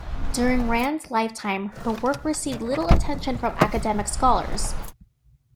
During Rand's lifetime her work received little attention from academic scholars.